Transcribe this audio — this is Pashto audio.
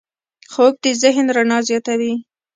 خوب د ذهن رڼا زیاتوي